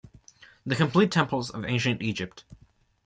The complete temples of Ancient Egypt.